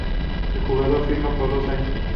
El jugador firma por dos años.